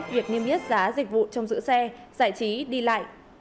việc niêm yết giá dịch vụ trong giữ xe giải trí đi lại